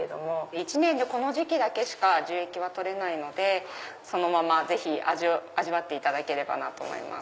一年でこの時期だけしか樹液は採れないのでそのままぜひ味わっていただければと思います。